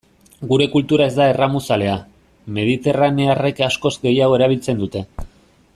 Gure kultura ez da erramuzalea, mediterranearrek askoz gehiago erabiltzen dute.